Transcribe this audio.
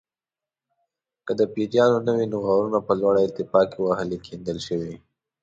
که د پیریانو نه وي نو غارونه په لوړه ارتفاع کې ولې کیندل شوي.